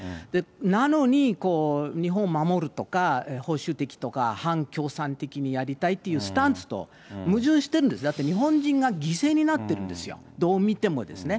なのに、日本を守るとか、保守的とか、反共産的にやりたいっていうスタンスと矛盾してるんです、だって日本人が犠牲になってるんですよ、どう見てもですね。